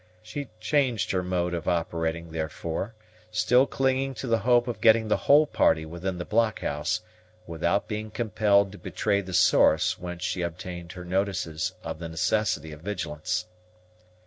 She changed her mode of operating, therefore, still clinging to the hope of getting the whole party within the blockhouse, without being compelled to betray the source whence she obtained her notices of the necessity of vigilance.